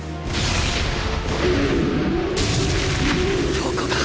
どこだ！！